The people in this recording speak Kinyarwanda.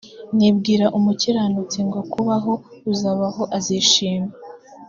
nimbwira umukiranutsi ngo kubaho uzabaho azishima